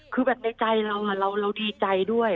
คือแบบในใจเราเราดีใจด้วย